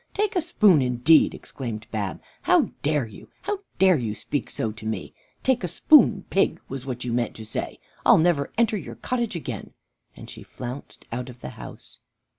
"Take a spoon, indeed!" exclaimed Bab. "How dare you, how dare you speak so to me? 'Take a spoon, pig!' was what you meant to say! I'll never enter your cottage again!" And she flounced out of the house.